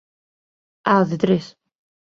Á de tres.